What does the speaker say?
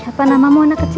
siapa namamu anak kecil